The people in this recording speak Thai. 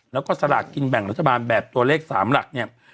แล้วก็สลากกินแบ่งรัฐบาลแบบตัวเลข๓หลักเนี่ย